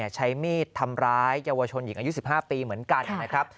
ใช้มีดทำร้ายเยาวชนหญิงอายุ๑๕ปีเหมือนกันนะครับ